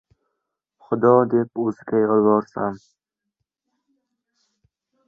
Xudo deb O‘ziga yolvorsam